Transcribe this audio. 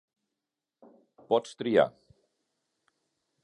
Pots triar.